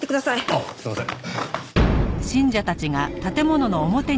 あっすいません。